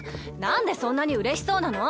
んでそんなにうれしそうなの？